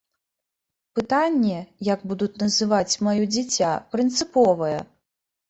Пытанне, як будуць называць маё дзіця, прынцыповае.